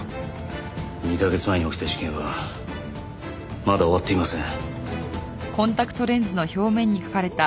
２カ月前に起きた事件はまだ終わっていません。